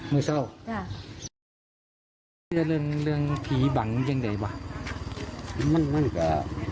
ไม่เศร้าจ้ะเชื่อเรื่องเรื่องผีบังยังไงวะมันมันก็